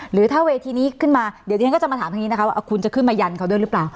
หรือถ้าเวทีนี้ขึ้นมาเดี๋ยวที่ฉันก็จะมาถามทางนี้นะคะว่าคุณจะขึ้นมายันเขาด้วยหรือเปล่า